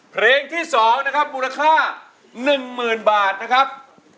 เพลงที่๒นะครับมูลค่า๑๐๐๐บาทนะครับ